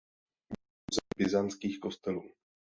Byly odkryty mozaiky byzantských kostelů.